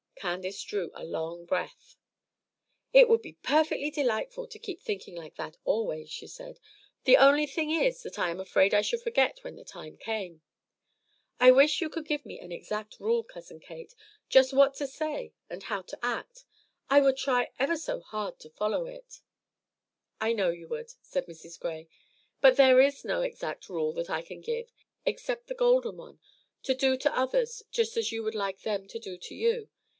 Candace drew a long breath. "It would be perfectly delightful to keep thinking like that always," she said; "the only thing is that I am afraid I should forget when the time came. I wish you could give me an exact rule, Cousin Kate, just what to say and how to act. I would try ever so hard to follow it." "I know you would," said Mrs. Gray; "but there is no exact rule that I can give, except the Golden one, to do to others just as you would like them to do to you.